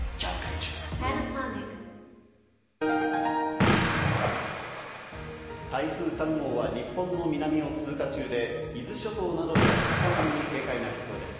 中台風３号は日本の南を通過中で、伊豆諸島などでは高波に警戒が必要です。